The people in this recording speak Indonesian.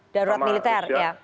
darurat militer ya